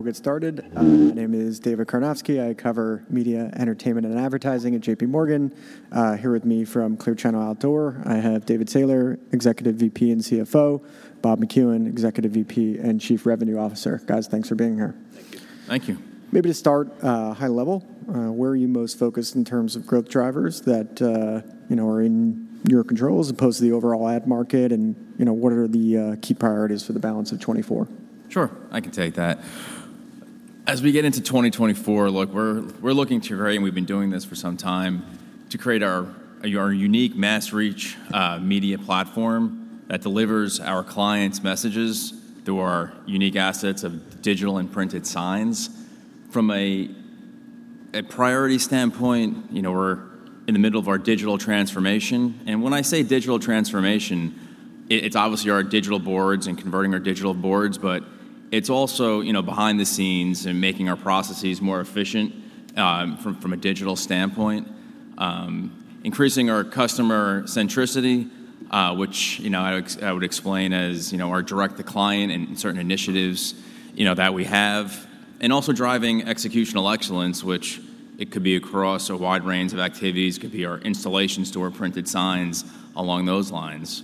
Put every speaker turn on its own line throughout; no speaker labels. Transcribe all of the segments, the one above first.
We'll get started. My name is David Karnofsky. I cover media, entertainment, and advertising at J.P. Morgan. Here with me from Clear Channel Outdoor, I have David Sailer, Executive VP and CFO, Bob McCuin, Executive VP and Chief Revenue Officer. Guys, thanks for being here.
Thank you.
Thank you.
Maybe to start, high level, where are you most focused in terms of growth drivers that, you know, are in your control as opposed to the overall ad market? And, you know, what are the key priorities for the balance of 2024?
Sure, I can take that. As we get into 2024, look, we're looking to vary, and we've been doing this for some time, to create our unique mass reach media platform that delivers our clients' messages through our unique assets of digital and printed signs. From a priority standpoint, you know, we're in the middle of our digital transformation, and when I say digital transformation, it's obviously our digital boards and converting our digital boards, but it's also, you know, behind the scenes and making our processes more efficient from a digital standpoint. Increasing our customer centricity, which, you know, I would, I would explain as, you know, our direct-to-client and certain initiatives, you know, that we have, and also driving executional excellence, which it could be across a wide range of activities, could be our installations to our printed signs along those lines.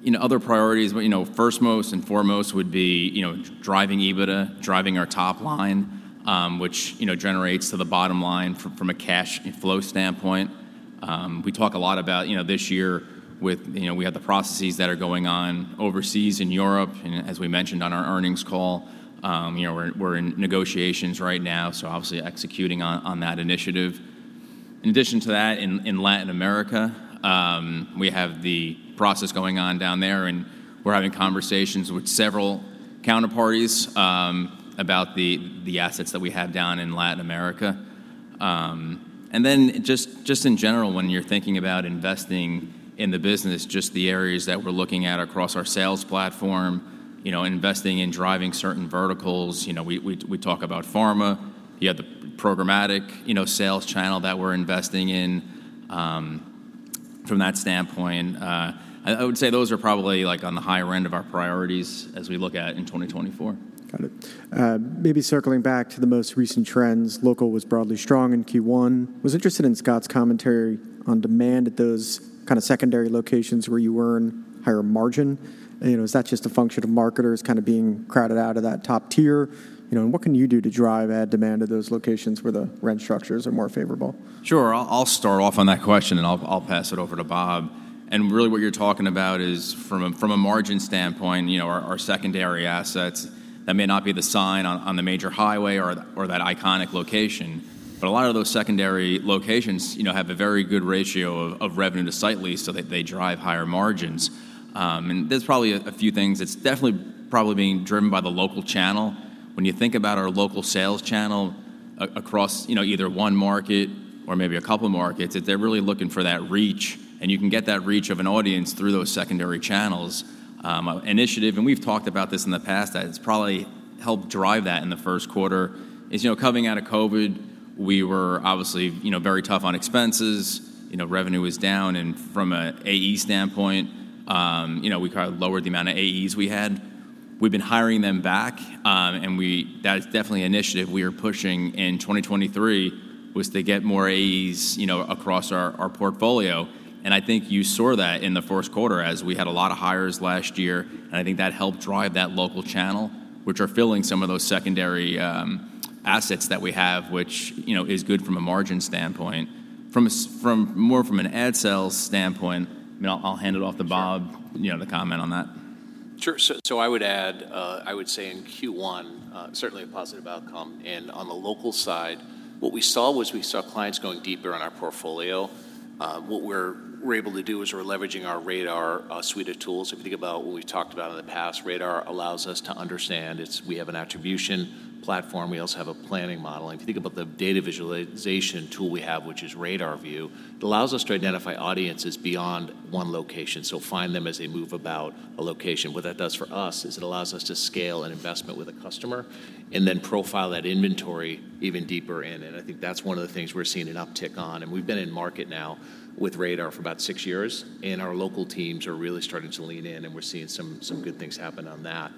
You know, other priorities, but, you know, first, most and foremost would be, you know, driving EBITDA, driving our top line, which, you know, generates to the bottom line from, from a cash flow standpoint. We talk a lot about, you know, this year with... You know, we have the processes that are going on overseas in Europe, and as we mentioned on our earnings call, you know, we're, we're in negotiations right now, so obviously executing on, on that initiative. In addition to that, in Latin America, we have the process going on down there, and we're having conversations with several counterparties about the assets that we have down in Latin America. And then just in general, when you're thinking about investing in the business, just the areas that we're looking at across our sales platform, you know, investing in driving certain verticals. You know, we talk about pharma. You have the programmatic, you know, sales channel that we're investing in. From that standpoint, I would say those are probably, like, on the higher end of our priorities as we look at in 2024.
Got it. Maybe circling back to the most recent trends, local was broadly strong in Q1. Was interested in Scott's commentary on demand at those kind of secondary locations where you earn higher margin. You know, is that just a function of marketers kind of being crowded out of that top tier? You know, and what can you do to drive ad demand to those locations where the rent structures are more favorable?
Sure. I'll, I'll start off on that question, and I'll, I'll pass it over to Bob. And really, what you're talking about is from a, from a margin standpoint, you know, our, our secondary assets. That may not be the sign on, on the major highway or, or that iconic location, but a lot of those secondary locations, you know, have a very good ratio of, of revenue to site lease, so they, they drive higher margins. And there's probably a, a few things. It's definitely probably being driven by the local channel. When you think about our local sales channel across, you know, either one market or maybe a couple markets, they're really looking for that reach, and you can get that reach of an audience through those secondary channels. Initiative, and we've talked about this in the past, that it's probably helped drive that in the first quarter, is, you know, coming out of COVID, we were obviously, you know, very tough on expenses. You know, revenue was down, and from an AE standpoint, you know, we kind of lowered the amount of AEs we had. We've been hiring them back, and that is definitely an initiative we are pushing in 2023, was to get more AEs, you know, across our, our portfolio, and I think you saw that in the first quarter as we had a lot of hires last year, and I think that helped drive that local channel, which are filling some of those secondary assets that we have, which, you know, is good from a margin standpoint. From an ad sales standpoint, I mean, I'll hand it off to Bob-
Sure...
you know, to comment on that.
Sure. So, I would add, I would say in Q1, certainly a positive outcome, and on the local side, what we saw was we saw clients going deeper in our portfolio. What we're able to do is we're leveraging our RADAR suite of tools. If you think about what we've talked about in the past, RADAR allows us to understand. It's we have an attribution platform. We also have a planning model, and if you think about the data visualization tool we have, which is RADARView, it allows us to identify audiences beyond one location, so find them as they move about a location. What that does for us is it allows us to scale an investment with a customer and then profile that inventory even deeper in, and I think that's one of the things we're seeing an uptick on, and we've been in market now with RADAR for about six years, and our local teams are really starting to lean in, and we're seeing some, some good things happen on that,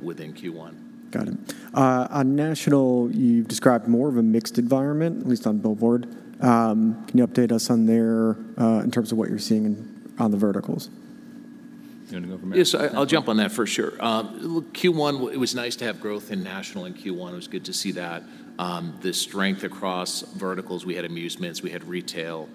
within Q1.
Got it. On national, you've described more of a mixed environment, at least on billboard. Can you update us on there, in terms of what you're seeing on the verticals?
You wanna go for it, Mac?
Yes, I'll jump on that for sure. Look, Q1, it was nice to have growth in national in Q1. It was good to see that, the strength across verticals. We had amusements. We had retail.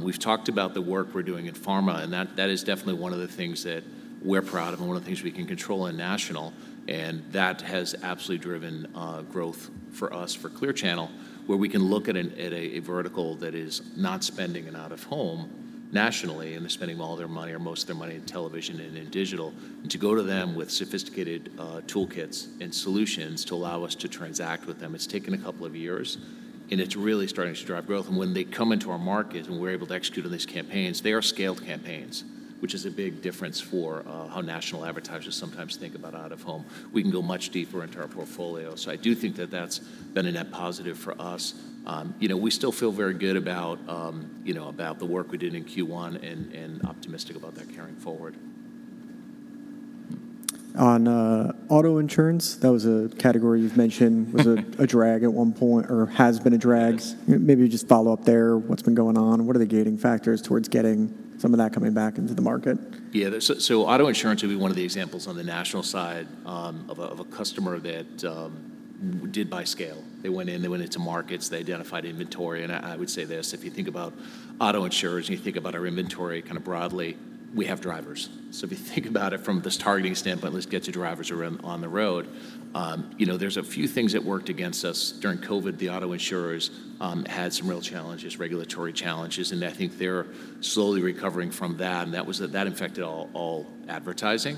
We've talked about the work we're doing in pharma, and that, that is definitely one of the things that we're proud of and one of the things we can control in national, and that has absolutely driven growth for us, for Clear Channel, where we can look at at a vertical that is not spending in out-of-home nationally, and they're spending all their money or most of their money in television and in digital. And to go to them with sophisticated toolkits and solutions to allow us to transact with them, it's taken a couple of years, and it's really starting to drive growth. And when they come into our markets, and we're able to execute on these campaigns, they are scaled campaigns, which is a big difference for how national advertisers sometimes think about out-of-home. We can go much deeper into our portfolio. So I do think that that's been a net positive for us. You know, we still feel very good about, you know, about the work we did in Q1 and optimistic about that carrying forward. ...
On auto insurance, that was a category you've mentioned—was a drag at one point or has been a drag.
Yes.
Maybe just follow up there, what's been going on? What are the gating factors towards getting some of that coming back into the market?
Yeah. So auto insurance would be one of the examples on the national side of a customer that did buy scale. They went in, they went into markets, they identified inventory, and I would say this: if you think about auto insurers, and you think about our inventory kinda broadly, we have drivers. So if you think about it from this targeting standpoint, let's get to drivers are on the road. You know, there's a few things that worked against us during COVID. The auto insurers had some real challenges, regulatory challenges, and I think they're slowly recovering from that, and that was that affected all advertising.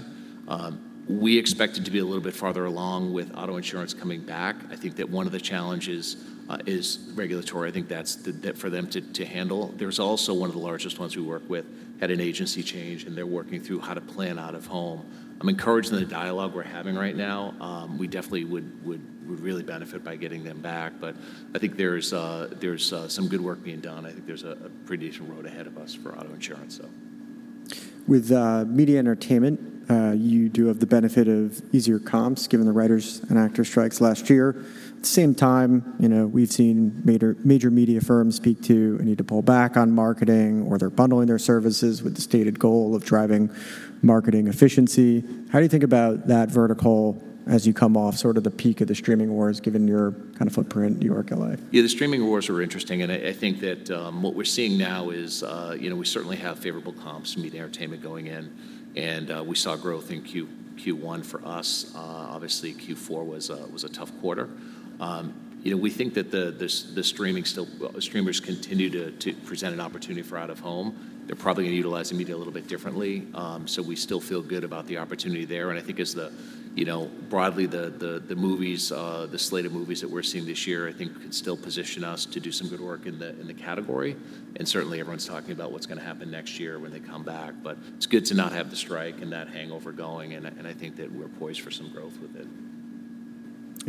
We expected to be a little bit farther along with auto insurance coming back. I think that one of the challenges is regulatory. I think that's for them to handle. There's also one of the largest ones we work with, had an agency change, and they're working through how to plan out-of-home. I'm encouraged in the dialogue we're having right now. We definitely would really benefit by getting them back, but I think there's some good work being done. I think there's a pretty decent road ahead of us for auto insurance, so.
With media entertainment, you do have the benefit of easier comps, given the writers' and actors' strikes last year. At the same time, you know, we've seen major, major media firms speak to a need to pull back on marketing, or they're bundling their services with the stated goal of driving marketing efficiency. How do you think about that vertical as you come off sort of the peak of the streaming wars, given your kind of footprint, New York, L.A.?
Yeah, the streaming wars were interesting, and I think that what we're seeing now is, you know, we certainly have favorable comps, media entertainment going in, and we saw growth in Q1 for us. Obviously, Q4 was a tough quarter. You know, we think that the streamers continue to present an opportunity for out-of-home. They're probably gonna utilize the media a little bit differently, so we still feel good about the opportunity there, and I think as, you know, broadly, the movies, the slate of movies that we're seeing this year, I think, could still position us to do some good work in the category. And certainly, everyone's talking about what's gonna happen next year when they come back. But it's good to not have the strike and that hangover going, and I think that we're poised for some growth with it.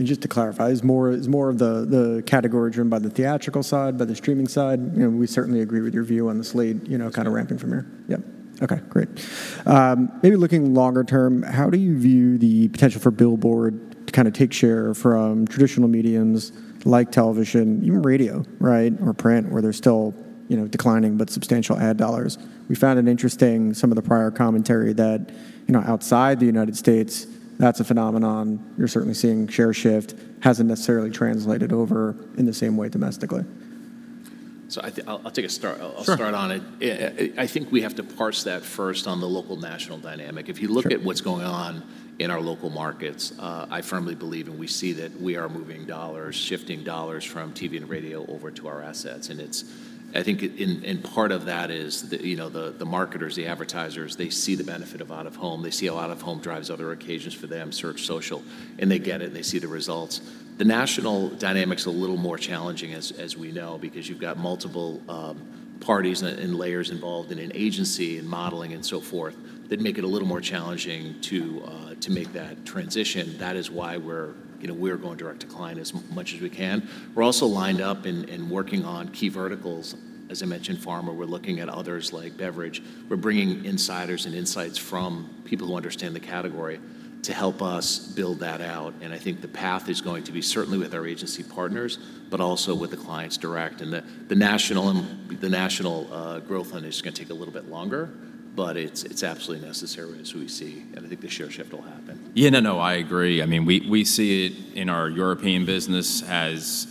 Just to clarify, is more of the category driven by the theatrical side, by the streaming side? You know, we certainly agree with your view on the slate, you know, kind of ramping from here. Yep. Okay, great. Maybe looking longer term, how do you view the potential for billboard to kinda take share from traditional mediums like television, even radio, right? Or print, where there's still, you know, declining, but substantial ad dollars. We found it interesting, some of the prior commentary that, you know, outside the United States, that's a phenomenon. You're certainly seeing share shift hasn't necessarily translated over in the same way domestically.
So I'll take a start.
Sure.
I'll start on it. I think we have to parse that first on the local-national dynamic.
Sure.
If you look at what's going on in our local markets, I firmly believe, and we see that we are moving dollars, shifting dollars from TV and radio over to our assets, and it's, I think, part of that is the, you know, the marketers, the advertisers, they see the benefit of out-of-home. They see how out-of-home drives other occasions for them, search, social, and they get it, and they see the results. The national dynamic's a little more challenging, as we know, because you've got multiple parties and layers involved in an agency and modeling and so forth, that make it a little more challenging to make that transition. That is why we're, you know, we're going direct to client as much as we can. We're also lined up and working on key verticals. As I mentioned, pharma, we're looking at others like beverage. We're bringing insiders and insights from people who understand the category to help us build that out, and I think the path is going to be certainly with our agency partners, but also with the clients direct. And the national growth plan is just gonna take a little bit longer, but it's absolutely necessary as we see, and I think the share shift will happen.
Yeah, no, no, I agree. I mean, we see it in our European business as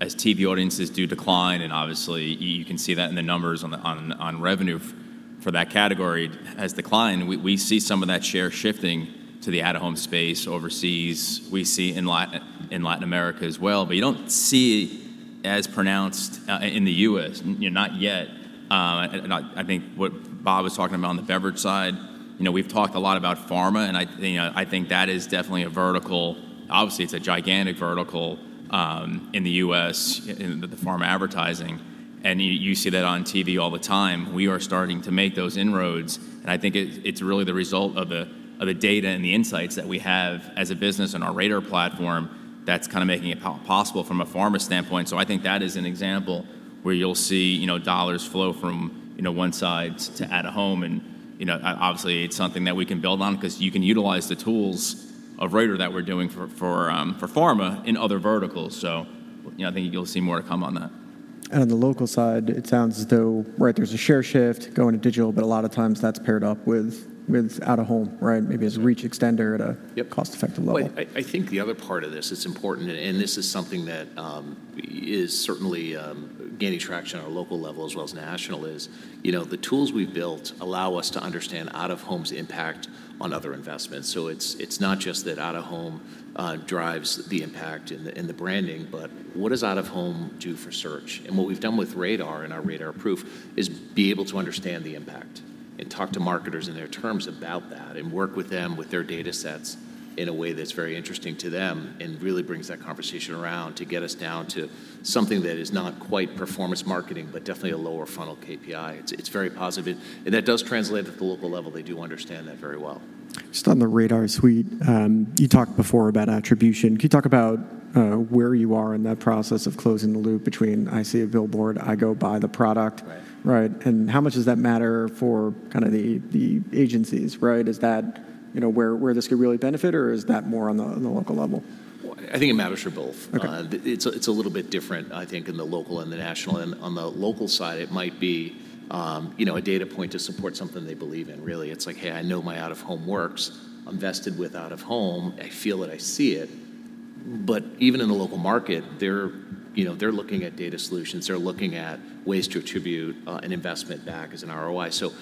TV audiences do decline, and obviously, you can see that in the numbers on the revenue for that category has declined. We see some of that share shifting to the out-of-home space overseas. We see in Latin America as well, but you don't see as pronounced in the U.S., you know, not yet. And I think what Bob was talking about on the beverage side, you know, we've talked a lot about pharma, and I, you know, I think that is definitely a vertical. Obviously, it's a gigantic vertical in the U.S., in the pharma advertising, and you see that on TV all the time. We are starting to make those inroads, and I think it's really the result of the data and the insights that we have as a business on our RADAR platform that's kinda making it possible from a pharma standpoint. So I think that is an example where you'll see, you know, dollars flow from, you know, one side to out-of-home, and, you know, obviously, it's something that we can build on 'cause you can utilize the tools of RADAR that we're doing for, for, for pharma in other verticals. So, you know, I think you'll see more to come on that.
And on the local side, it sounds as though, right, there's a share shift going to digital, but a lot of times that's paired up with out-of-home, right? Maybe as a reach extender at a-
Yep...
cost-effective level.
Well, I think the other part of this, it's important, and this is something that is certainly gaining traction on a local level as well as national, is, you know, the tools we've built allow us to understand out-of-home's impact on other investments. So it's not just that out-of-home drives the impact and the branding, but what does out-of-home do for search? And what we've done with RADAR and our RADARProof is be able to understand the impact and talk to marketers in their terms about that and work with them, with their datasets in a way that's very interesting to them and really brings that conversation around to get us down to something that is not quite performance marketing, but definitely a lower funnel KPI. It's very positive, and that does translate at the local level. They do understand that very well.
Just on the RADAR suite, you talked before about attribution. Can you talk about where you are in that process of closing the loop between, "I see a billboard, I go buy the product?
Right.
Right, and how much does that matter for kinda the agencies, right? Is that, you know, where this could really benefit, or is that more on the local level?...
I think it matters for both.
Okay.
It's a little bit different, I think, in the local and the national. And on the local side, it might be, you know, a data point to support something they believe in, really. It's like: "Hey, I know my out-of-home works. I'm vested with out-of-home. I feel it, I see it." But even in the local market, they're, you know, they're looking at data solutions. They're looking at ways to attribute an investment back as an ROI. So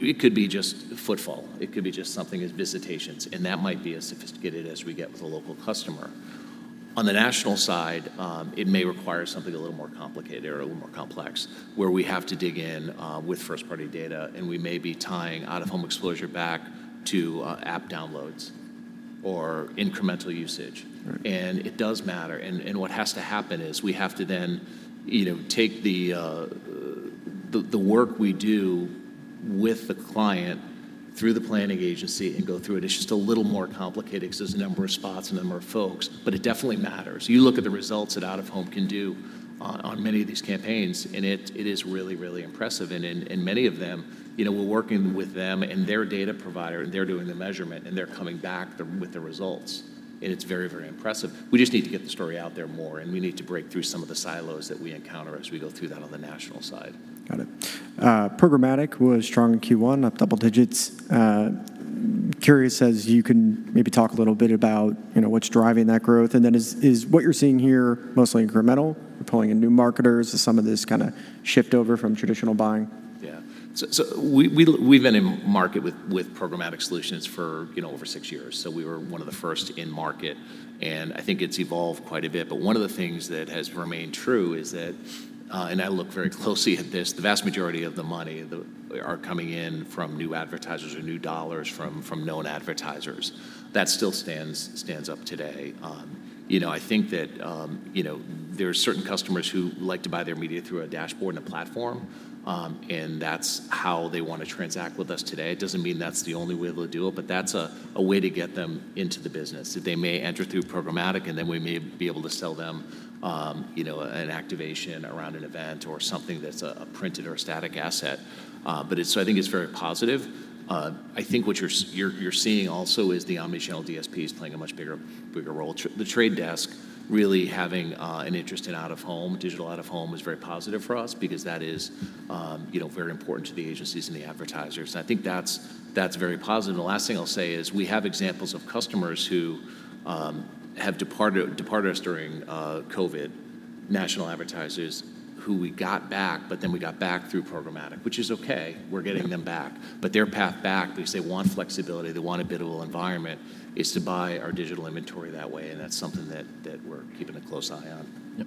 it could be just footfall. It could be just something as visitations, and that might be as sophisticated as we get with a local customer. On the national side, it may require something a little more complicated or a little more complex, where we have to dig in with first-party data, and we may be tying out-of-home exposure back to app downloads or incremental usage.
Right.
And it does matter, and what has to happen is we have to then, you know, take the, the work we do with the client through the planning agency and go through it. It's just a little more complicated because there's a number of spots, a number of folks, but it definitely matters. You look at the results that out-of-home can do on many of these campaigns, and it is really, really impressive. And in many of them, you know, we're working with them and their data provider, and they're doing the measurement, and they're coming back with the results, and it's very, very impressive. We just need to get the story out there more, and we need to break through some of the silos that we encounter as we go through that on the national side.
Got it. Programmatic was strong in Q1, up double digits. Curious as you can maybe talk a little bit about, you know, what's driving that growth, and then is what you're seeing here mostly incremental? You're pulling in new marketers, or some of this kinda shift over from traditional buying?
Yeah. So we've been in market with programmatic solutions for, you know, over six years, so we were one of the first in market, and I think it's evolved quite a bit. But one of the things that has remained true is that and I look very closely at this, the vast majority of the money are coming in from new advertisers or new dollars from known advertisers. That still stands up today. You know, I think that you know, there are certain customers who like to buy their media through a dashboard and a platform, and that's how they wanna transact with us today. It doesn't mean that's the only way we'll do it, but that's a way to get them into the business. They may enter through programmatic, and then we may be able to sell them, you know, an activation around an event or something that's a printed or a static asset. But it's so I think it's very positive. I think what you're seeing also is the omnichannel DSP is playing a much bigger role. The Trade Desk really having an interest in out-of-home, Digital out-of-home, is very positive for us because that is, you know, very important to the agencies and the advertisers, and I think that's very positive. And the last thing I'll say is, we have examples of customers who have departed us during COVID, national advertisers who we got back, but then we got back through programmatic, which is okay. We're getting them back.
Yep.
But their path back, because they want flexibility, they want a biddable environment, is to buy our digital inventory that way, and that's something that, that we're keeping a close eye on.
Yep.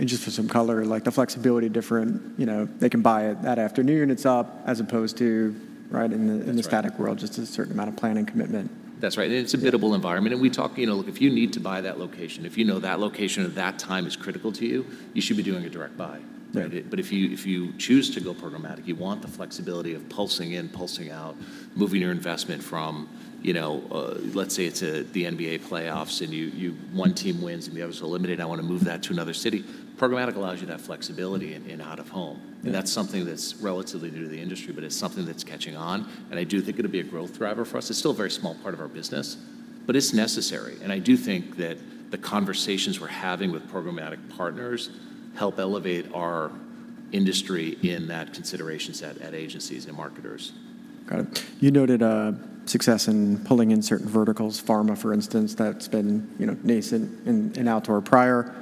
And just for some color, like the flexibility, different... You know, they can buy it that afternoon, it's up, as opposed to, right-
That's right.
in the static world, just a certain amount of planning commitment.
That's right, and it's a biddable environment. We talk, you know, look, if you need to buy that location, if you know that location at that time is critical to you, you should be doing a direct buy.
Right.
But if you choose to go programmatic, you want the flexibility of pulsing in, pulsing out, moving your investment from, you know, let's say it's the NBA playoffs, and you one team wins, and the others are eliminated, and I wanna move that to another city. Programmatic allows you that flexibility in out-of-home-
Yeah...
and that's something that's relatively new to the industry, but it's something that's catching on, and I do think it'll be a growth driver for us. It's still a very small part of our business, but it's necessary, and I do think that the conversations we're having with programmatic partners help elevate our industry in that consideration set at agencies and marketers.
Got it. You noted success in pulling in certain verticals, pharma, for instance, that's been, you know, nascent in outdoor prior.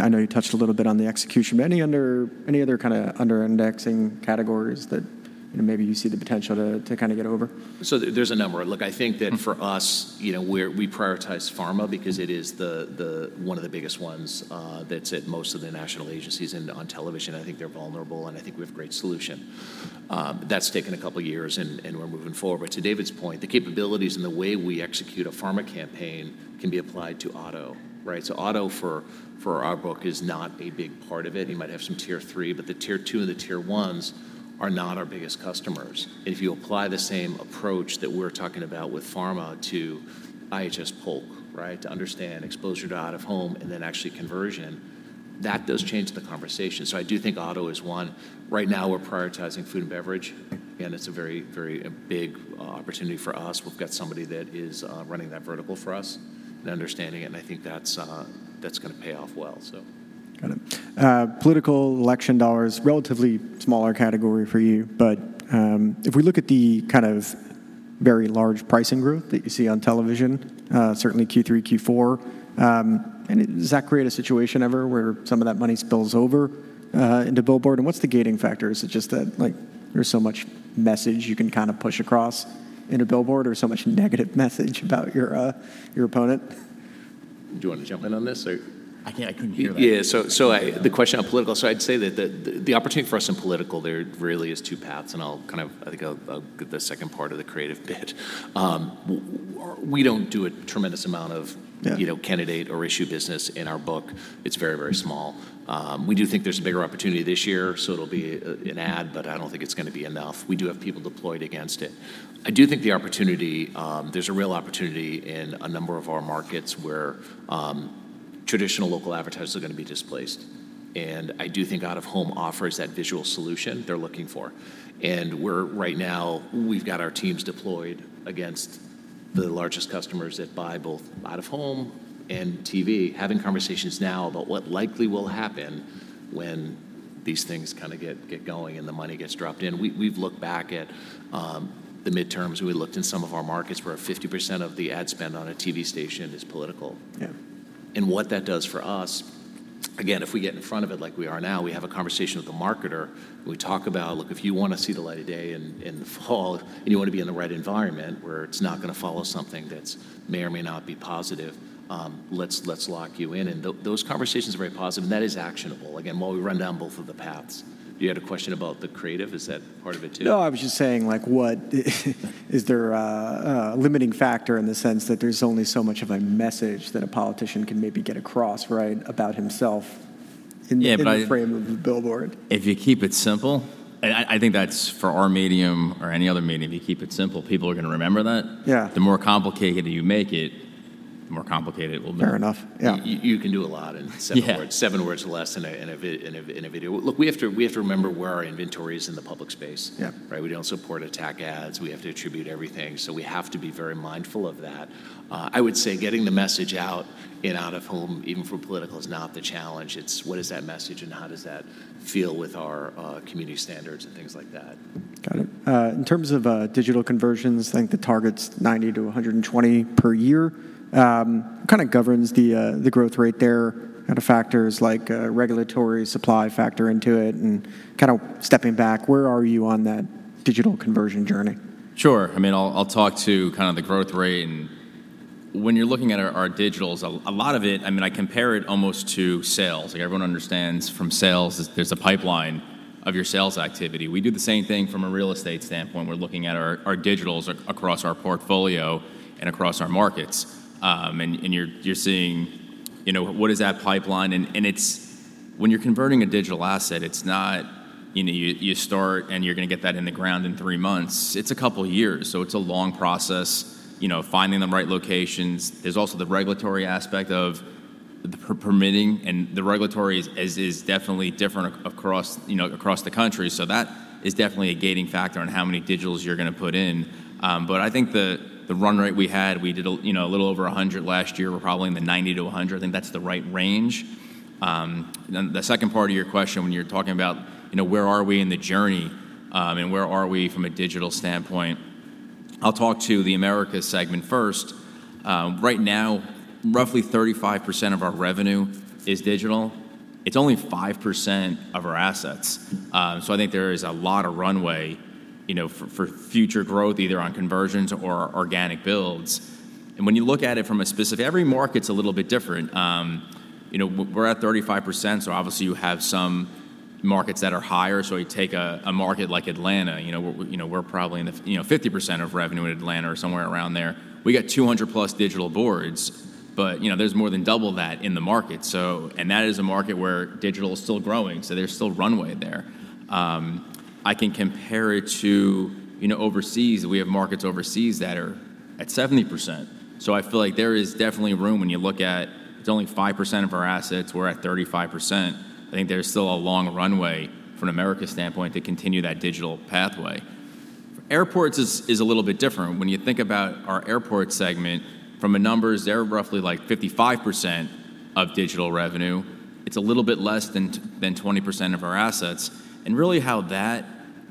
I know you touched a little bit on the execution, but any other kinda under-indexing categories that, you know, maybe you see the potential to kinda get over?
So there, there's a number. Look, I think that for us-
Mm...
you know, we prioritize pharma because it is the one of the biggest ones that's at most of the national agencies and on television. I think they're vulnerable, and I think we have a great solution. But that's taken a couple of years, and we're moving forward. But to David's point, the capabilities and the way we execute a pharma campaign can be applied to auto, right? So auto, for our book, is not a big part of it. You might have some Tier three, but the Tier two and the Tier ones are not our biggest customers. If you apply the same approach that we're talking about with pharma to IHS Polk, right? To understand exposure to out-of-home and then actually conversion, that does change the conversation. So I do think auto is one. Right now, we're prioritizing food and beverage, and it's a very, very big opportunity for us. We've got somebody that is running that vertical for us and understanding it, and I think that's gonna pay off well, so.
Got it. Political election dollar is relatively smaller category for you, but, if we look at the kind of very large pricing growth that you see on television, certainly Q3, Q4, and does that create a situation ever where some of that money spills over into billboard, and what's the gating factor? Is it just that, like, there's so much message you can kinda push across in a billboard or so much negative message about your, your opponent?
Do you want to jump in on this, or-
I can't, I couldn't hear that.
Yeah. The question on political. So I'd say that the opportunity for us in political there really is two paths, and I'll kind of... I think I'll get the second part of the creative bit. We don't do a tremendous amount of-
Yeah...
you know, candidate or issue business in our book. It's very, very small. We do think there's a bigger opportunity this year, so it'll be an ad, but I don't think it's gonna be enough. We do have people deployed against it. I do think the opportunity, there's a real opportunity in a number of our markets where,... traditional local advertisers are going to be displaced, and I do think out-of-home offers that visual solution they're looking for. And we're right now we've got our teams deployed against the largest customers that buy both out-of-home and TV, having conversations now about what likely will happen when these things kind of get going, and the money gets dropped in. We've looked back at the midterms. We looked in some of our markets where 50% of the ad spend on a TV station is political.
Yeah.
And what that does for us, again, if we get in front of it like we are now, we have a conversation with the marketer, and we talk about, "Look, if you want to see the light of day in the fall, and you want to be in the right environment where it's not going to follow something that's may or may not be positive, let's lock you in." And those conversations are very positive, and that is actionable. Again, while we run down both of the paths. You had a question about the creative? Is that part of it, too?
No, I was just saying, like, what is there a limiting factor in the sense that there's only so much of a message that a politician can maybe get across, right, about himself-
Yeah, but I-
in the frame of a billboard?
If you keep it simple, I think that's for our medium or any other medium, if you keep it simple, people are gonna remember that.
Yeah.
The more complicated you make it, the more complicated it will be.
Fair enough, yeah.
You can do a lot in seven words-
Yeah.
seven words or less in a video. Look, we have to remember where our inventory is in the public space.
Yeah.
Right? We don't support attack ads. We have to attribute everything, so we have to be very mindful of that. I would say getting the message out in out-of-home, even for political, is not the challenge. It's what is that message, and how does that feel with our community standards and things like that?
Got it. In terms of, digital conversions, I think the target's 90-120 per year. What kind of governs the, the growth rate there? Kind of factors like, regulatory supply factor into it, and kind of stepping back, where are you on that digital conversion journey?
Sure. I mean, I'll talk to kind of the growth rate, and when you're looking at our digitals, a lot of it. I mean, I compare it almost to sales. Like, everyone understands from sales is there's a pipeline of your sales activity. We do the same thing from a real estate standpoint. We're looking at our digitals across our portfolio and across our markets. And you're seeing, you know, what is that pipeline? And it's. When you're converting a digital asset, it's not, you know, you start, and you're gonna get that in the ground in three months. It's a couple of years, so it's a long process, you know, finding the right locations. There's also the regulatory aspect of the permitting, and the regulatory is definitely different across, you know, across the country. So that is definitely a gating factor on how many digitals you're gonna put in. But I think the run rate we had, we did a, you know, a little over 100 last year. We're probably in the 90-100, and that's the right range. Then the second part of your question, when you're talking about, you know, where are we in the journey, and where are we from a digital standpoint? I'll talk to the Americas segment first. Right now, roughly 35% of our revenue is digital. It's only 5% of our assets. So I think there is a lot of runway, you know, for future growth, either on conversions or organic builds. And when you look at it from a specific... Every market's a little bit different. You know, we're at 35%, so obviously you have some markets that are higher. So you take a market like Atlanta, you know, you know, we're probably in the you know 50% of revenue in Atlanta or somewhere around there. We got 200 plus digital boards, but you know, there's more than double that in the market, so... That is a market where digital is still growing, so there's still runway there. I can compare it to you know overseas. We have markets overseas that are at 70%, so I feel like there is definitely room when you look at it's only 5% of our assets, we're at 35%. I think there's still a long runway from an Americas standpoint to continue that digital pathway. Airports is a little bit different. When you think about our airport segment, from the numbers, they're roughly, like, 55% of digital revenue. It's a little bit less than than 20% of our assets, and really how that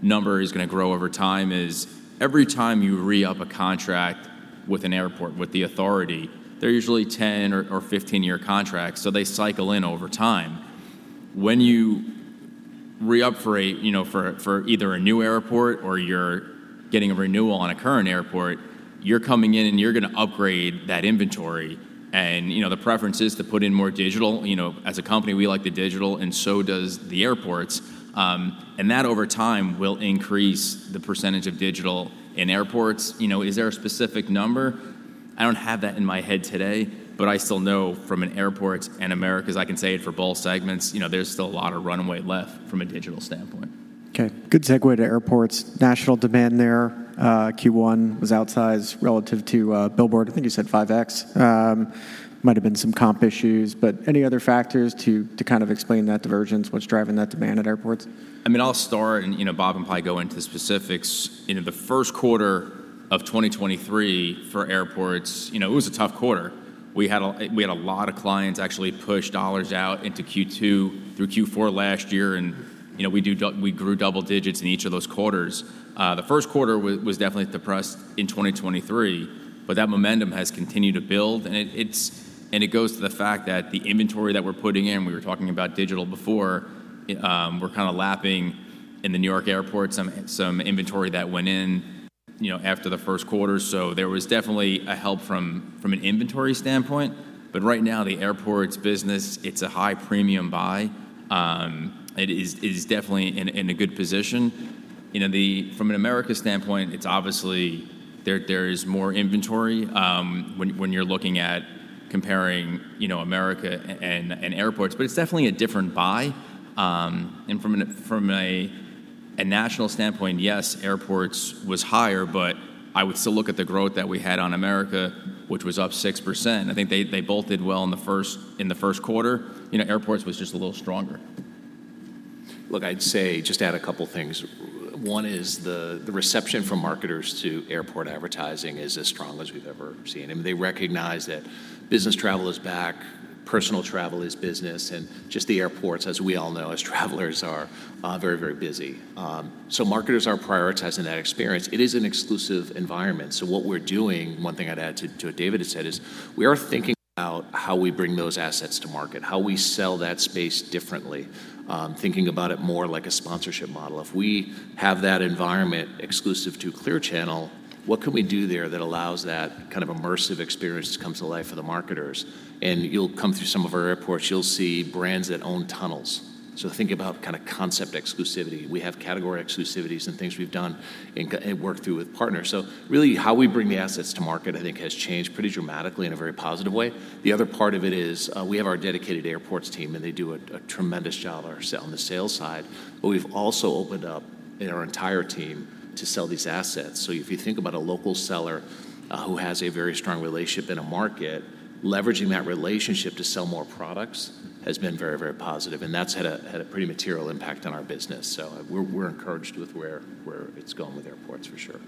number is gonna grow over time is, every time you re-up a contract with an airport, with the authority, they're usually 10 year-15 year contracts, so they cycle in over time. When you re-up for a, you know, for either a new airport or you're getting a renewal on a current airport, you're coming in, and you're gonna upgrade that inventory, and, you know, the preference is to put in more digital. You know, as a company, we like the digital, and so does the airports. And that, over time, will increase the percentage of digital in airports. You know, is there a specific number? I don't have that in my head today, but I still know from an airports and Americas, I can say it for both segments, you know, there's still a lot of runway left from a digital standpoint.
Okay, good segue to airports. National demand there, Q1 was outsized relative to billboard. I think you said 5x. Might have been some comp issues, but any other factors to kind of explain that divergence? What's driving that demand at airports?
I mean, I'll start, and, you know, Bob will probably go into the specifics. You know, the first quarter of 2023 for airports, you know, it was a tough quarter. We had a lot of clients actually push dollars out into Q2 through Q4 last year, and, you know, we grew double digits in each of those quarters. The first quarter was definitely depressed in 2023, but that momentum has continued to build, and it goes to the fact that the inventory that we're putting in, we were talking about digital before, we're kind of lapping in the New York airport some inventory that went in, you know, after the first quarter. So there was definitely a help from an inventory standpoint, but right now, the airports business, it's a high-premium buy. It is definitely in a good position. You know, from an Americas standpoint, it's obviously there is more inventory when you're looking at comparing, you know, Americas and airports, but it's definitely a different buy. And from a national standpoint, yes, airports was higher, but I would still look at the growth that we had on Americas, which was up 6%. I think they both did well in the first quarter. You know, airports was just a little stronger.
Look, I'd say, just to add a couple things. One is the reception from marketers to airport advertising is as strong as we've ever seen, and they recognize that business travel is back, personal travel is business, and just the airports, as we all know, as travelers, are very, very busy. So marketers are prioritizing that experience. It is an exclusive environment, so what we're doing, one thing I'd add to what David has said, is we are thinking about how we bring those assets to market, how we sell that space differently, thinking about it more like a sponsorship model. If we have that environment exclusive to Clear Channel, what can we do there that allows that kind of immersive experience to come to life for the marketers? And you'll come through some of our airports, you'll see brands that own tunnels, so think about kinda concept exclusivity. We have category exclusivities and things we've done and worked through with partners. So really, how we bring the assets to market, I think, has changed pretty dramatically in a very positive way. The other part of it is, we have our dedicated airports team, and they do a tremendous job on the sales side. But we've also opened up our entire team to sell these assets. So if you think about a local seller, who has a very strong relationship in a market, leveraging that relationship to sell more products has been very, very positive, and that's had a pretty material impact on our business, so we're encouraged with where it's going with airports for sure.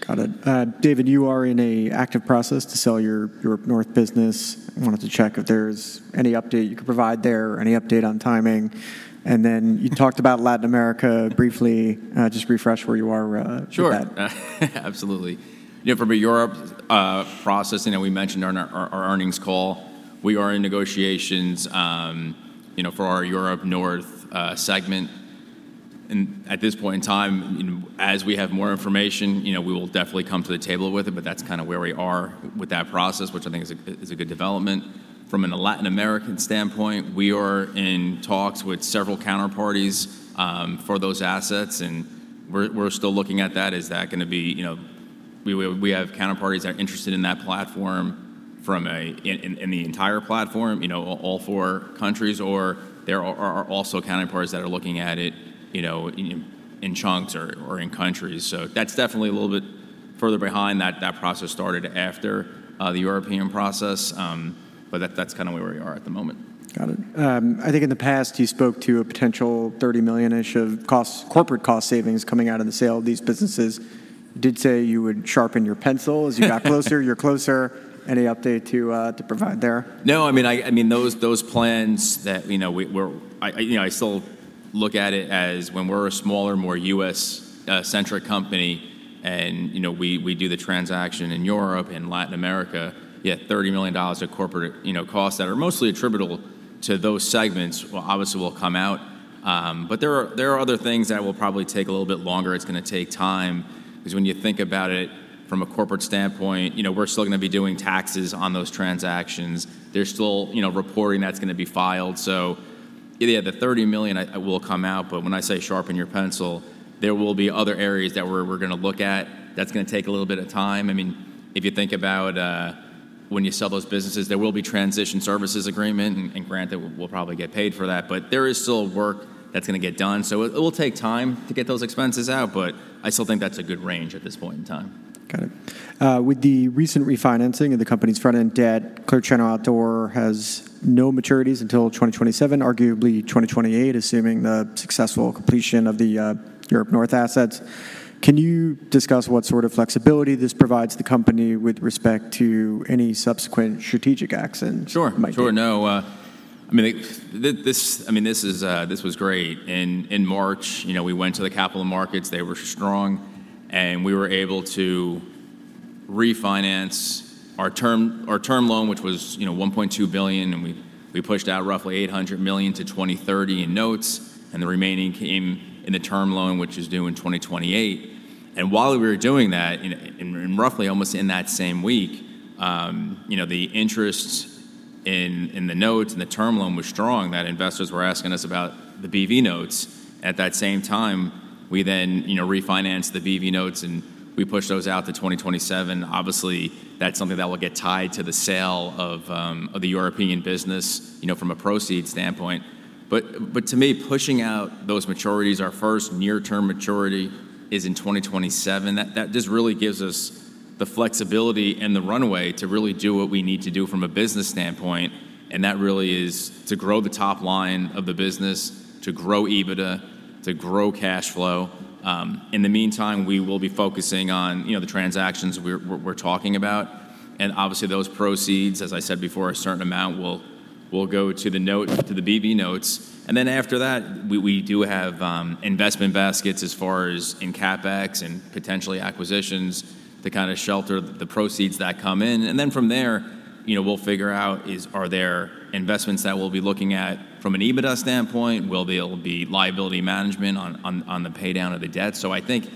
Got it. David, you are in an active process to sell your Europe North business. I wanted to check if there's any update you could provide there, any update on timing. And then you talked about Latin America briefly. Just refresh where you are with that.
Sure. Absolutely. You know, from a Europe process, you know, we mentioned on our earnings call, we are in negotiations, you know, for our Europe North segment. And at this point in time, you know, as we have more information, you know, we will definitely come to the table with it, but that's kinda where we are with that process, which I think is a good development. From a Latin American standpoint, we are in talks with several counterparties for those assets, and we're still looking at that. Is that gonna be... You know, we have counterparties that are interested in that platform from a in the entire platform, you know, all four countries, or there are also counterparties that are looking at it, you know, in chunks or in countries. That's definitely a little bit further behind. That process started after the European process, but that's kinda where we are at the moment.
Got it. I think in the past, you spoke to a potential $30 million-ish of costs, corporate cost savings coming out of the sale of these businesses. You did say you would sharpen your pencil as you got closer. You're closer. Any update to provide there?
No, I mean, those plans that, you know, we're... I, you know, I still look at it as when we're a smaller, more U.S. centric company, and, you know, we do the transaction in Europe and Latin America, you have $30 million of corporate, you know, costs that are mostly attributable to those segments, well, obviously, will come out. But there are other things that will probably take a little bit longer. It's gonna take time, 'cause when you think about it from a corporate standpoint, you know, we're still gonna be doing taxes on those transactions. There's still, you know, reporting that's gonna be filed. So yeah, the $30 million will come out, but when I say sharpen your pencil, there will be other areas that we're gonna look at. That's gonna take a little bit of time. I mean, if you think about when you sell those businesses, there will be transition services agreement, and, and granted, we'll, we'll probably get paid for that, but there is still work that's gonna get done. So it, it will take time to get those expenses out, but I still think that's a good range at this point in time.
Got it. With the recent refinancing of the company's front-end debt, Clear Channel Outdoor has no maturities until 2027, arguably 2028, assuming the successful completion of the Europe North assets. Can you discuss what sort of flexibility this provides the company with respect to any subsequent strategic actions you might take?
Sure. Sure. No, I mean, this is, this was great. In March, you know, we went to the capital markets. They were strong, and we were able to refinance our term loan, which was, you know, $1.2 billion, and we pushed out roughly $800 million to 2030 in notes, and the remaining came in the term loan, which is due in 2028. And while we were doing that, in roughly almost in that same week, you know, the interest in the notes and the term loan was strong. That investors were asking us about the BV Notes. At that same time, we then, you know, refinanced the BV Notes, and we pushed those out to 2027. Obviously, that's something that will get tied to the sale of the European business, you know, from a proceeds standpoint. But to me, pushing out those maturities, our first near-term maturity is in 2027. That just really gives us the flexibility and the runway to really do what we need to do from a business standpoint, and that really is to grow the top line of the business, to grow EBITDA, to grow cash flow. In the meantime, we will be focusing on, you know, the transactions we're talking about, and obviously, those proceeds, as I said before, a certain amount will go to the BV Notes. And then after that, we do have investment baskets as far as in CapEx and potentially acquisitions to kinda shelter the proceeds that come in. And then from there, you know, we'll figure out, are there investments that we'll be looking at from an EBITDA standpoint? Will they all be liability management on the paydown of the debt? So I think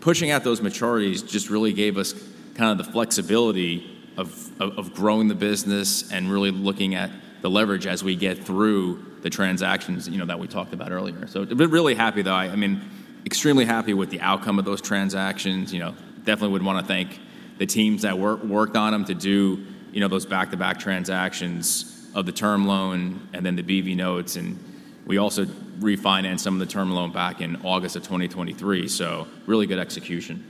pushing out those maturities just really gave us kinda the flexibility of growing the business and really looking at the leverage as we get through the transactions, you know, that we talked about earlier. But really happy though. I mean, extremely happy with the outcome of those transactions. You know, definitely would wanna thank the teams that worked on them to do, you know, those back-to-back transactions of the term loan and then the BV Notes, and we also refinanced some of the term loan back in August 2023, so really good execution....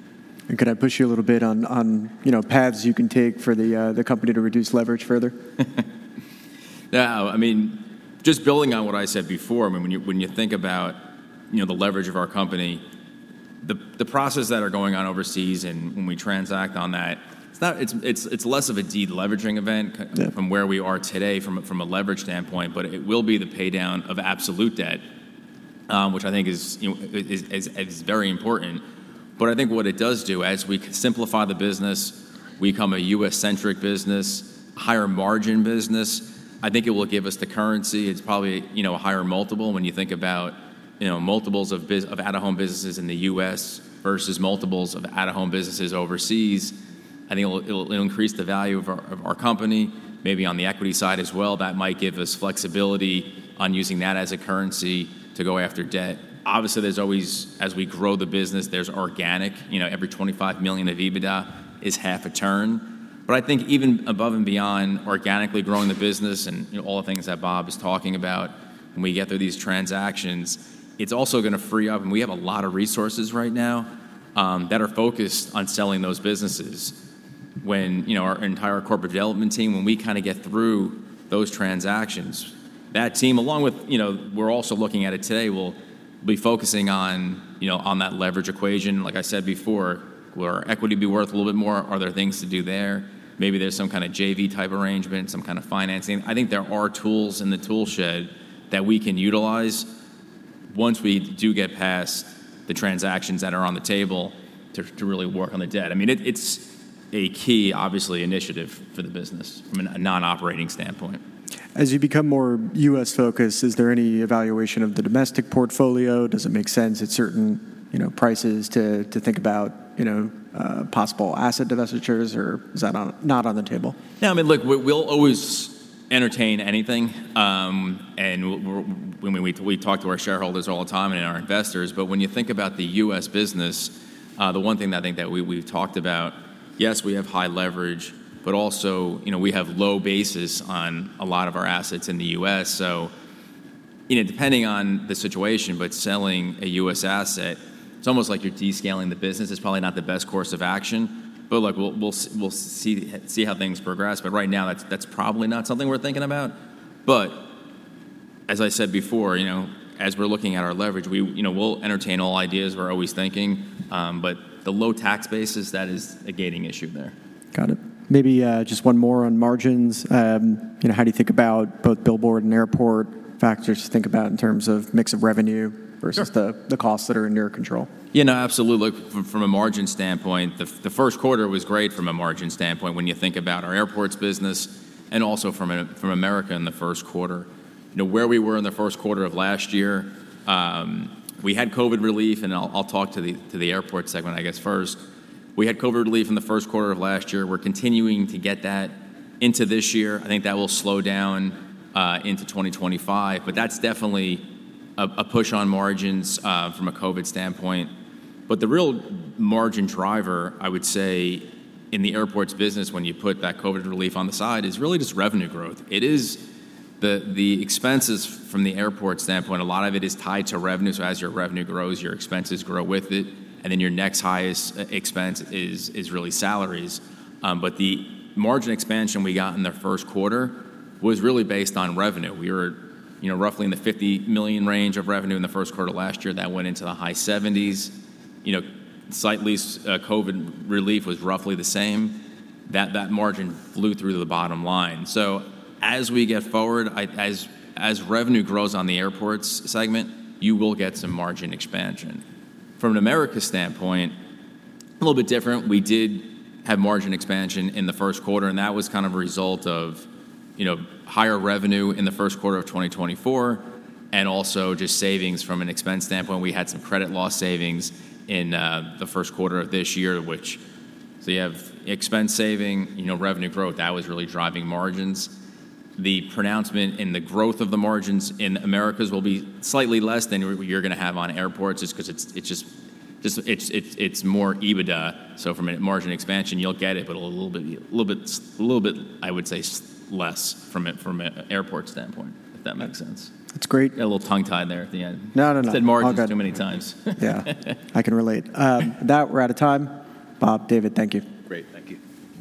Could I push you a little bit on, you know, paths you can take for the company to reduce leverage further?
Yeah, I mean, just building on what I said before, I mean, when you think about, you know, the leverage of our company, the process that are going on overseas, and when we transact on that, it's not, it's less of a de-leveraging event-
Yeah
From where we are today from a leverage standpoint, but it will be the pay down of absolute debt, which I think is, you know, very important. But I think what it does do, as we simplify the business, we become a U.S.-centric business, higher margin business. I think it will give us the currency. It's probably, you know, a higher multiple when you think about, you know, multiples of out-of-home businesses in the U.S. versus multiples of out-of-home businesses overseas. I think it'll increase the value of our company, maybe on the equity side as well. That might give us flexibility on using that as a currency to go after debt. Obviously, there's always, as we grow the business, there's organic. You know, every $25 million of EBITDA is half a turn. But I think even above and beyond organically growing the business and, you know, all the things that Bob is talking about, when we get through these transactions, it's also gonna free up. And we have a lot of resources right now that are focused on selling those businesses. When, you know, our entire corporate development team, when we kinda get through those transactions, that team, along with, you know, we're also looking at it today, will be focusing on, you know, on that leverage equation. Like I said before, will our equity be worth a little bit more? Are there things to do there? Maybe there's some kind of JV-type arrangement, some kind of financing. I think there are tools in the tool shed that we can utilize once we do get past the transactions that are on the table to really work on the debt. I mean, it's a key, obviously, initiative for the business from a non-operating standpoint.
As you become more U.S.-focused, is there any evaluation of the domestic portfolio? Does it make sense at certain, you know, prices to think about, you know, possible asset divestitures, or is that on, not on the table?
Yeah, I mean, look, we'll always entertain anything, and when we talk to our shareholders all the time and our investors, but when you think about the U.S. business, the one thing that I think that we've talked about, yes, we have high leverage, but also, you know, we have low basis on a lot of our assets in the U.S. So, you know, depending on the situation, but selling a U.S. asset, it's almost like you're descaling the business. It's probably not the best course of action, but look, we'll see how things progress. But right now, that's probably not something we're thinking about. But as I said before, you know, as we're looking at our leverage, we, you know, we'll entertain all ideas. We're always thinking, but the low tax basis, that is a gating issue there.
Got it. Maybe, just one more on margins. You know, how do you think about both billboard and airport factors to think about in terms of mix of revenue?
Sure...
versus the costs that are in your control?
Yeah, no, absolutely. From a margin standpoint, the first quarter was great from a margin standpoint when you think about our airports business and also from Americas in the first quarter. You know, where we were in the first quarter of last year, we had COVID relief, and I'll talk to the airport segment, I guess, first. We had COVID relief in the first quarter of last year. We're continuing to get that into this year. I think that will slow down into 2025, but that's definitely a push on margins from a COVID standpoint. But the real margin driver, I would say, in the airports business, when you put that COVID relief on the side, is really just revenue growth. It is the expenses from the airport standpoint, a lot of it is tied to revenue. So as your revenue grows, your expenses grow with it, and then your next highest expense is really salaries. But the margin expansion we got in the first quarter was really based on revenue. We were, you know, roughly in the $50 million range of revenue in the first quarter of last year. That went into the high $70s. You know, slightly, COVID relief was roughly the same. That margin flew through to the bottom line. So as we get forward, as revenue grows on the airports segment, you will get some margin expansion. From an Americas standpoint, a little bit different. We did have margin expansion in the first quarter, and that was kind of a result of, you know, higher revenue in the first quarter of 2024, and also just savings from an expense standpoint. We had some credit loss savings in the first quarter of this year, which so you have expense saving, you know, revenue growth, that was really driving margins. The pronouncement in the growth of the margins in Americas will be slightly less than what you're gonna have on airports, just 'cause it's more EBITDA. So from a margin expansion, you'll get it, but a little bit, little bit, little bit, I would say, less from an airport standpoint, if that makes sense.
That's great.
Got a little tongue-tied there at the end.
No, no, no.
Said margin too many times.
Yeah, I can relate. With that, we're out of time. Bob, David, thank you.
Great, thank you.